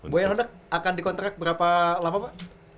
buaya hodak akan dikontrak berapa lama pak